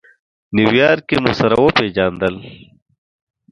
نیویارک کې مو سره وپېژندل.